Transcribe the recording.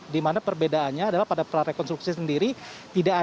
di mana perbedaannya adalah pada prarekonstruksi sendiri